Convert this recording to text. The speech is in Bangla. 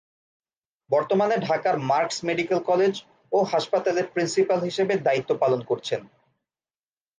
বর্তমানে ঢাকার মার্কস মেডিক্যাল কলেজ ও হাসপাতালের প্রিন্সিপাল হিসেবে দায়িত্ব পালন করছেন।